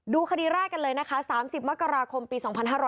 คดีแรกกันเลยนะคะ๓๐มกราคมปี๒๕๕๙